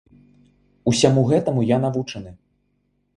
Усяму гэтаму я навучаны.